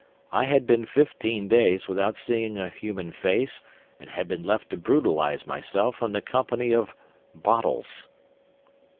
I had been fifteen days without seeing a human face, and had been left to brutalize myself in the company of bottles."